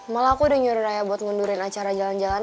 malah aku udah nyuruh ayah buat ngundurin acara jalan jalan